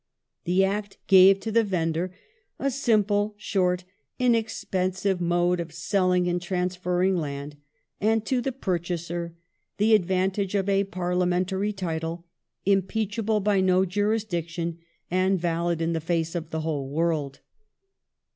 The Act gave to the vendor a simple, short, inexpensive mode of selling and transferring land," and to the purchaser "the advantage of a parliamentary title, impeachable by no jurisdiction and valid in the face of the whole world